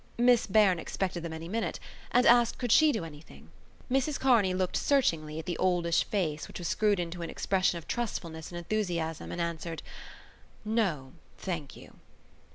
Miss Beirne expected them any minute and asked could she do anything. Mrs Kearney looked searchingly at the oldish face which was screwed into an expression of trustfulness and enthusiasm and answered: "No, thank you!"